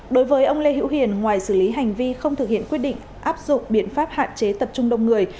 đối với ông lê hữu hiền ngoài xử lý hành vi không thực hiện quyết định áp dụng biện pháp hạn chế tập trung đông người